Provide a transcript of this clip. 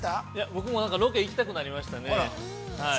◆僕もロケに行きたくなりましたね。